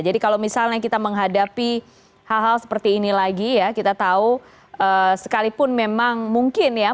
jadi kalau misalnya kita menghadapi hal hal seperti ini lagi kita tahu sekalipun memang mungkin ya